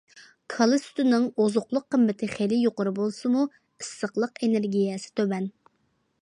كالا سۈتىنىڭ ئوزۇقلۇق قىممىتى خېلى يۇقىرى بولسىمۇ، ئىسسىقلىق ئېنېرگىيەسى تۆۋەن.